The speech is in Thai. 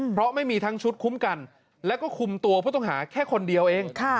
เพราะไม่มีทั้งชุดคุ้มกันแล้วก็คุมตัวผู้ต้องหาแค่คนเดียวเอง